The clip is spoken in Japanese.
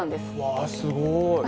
わあ、すごい。